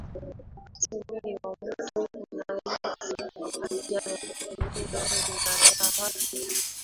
Wakati mwili wa mtu unahisi haja ya kutumia mihadarati